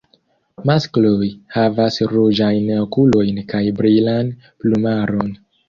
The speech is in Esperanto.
Maskloj havas ruĝajn okulojn kaj brilan plumaron.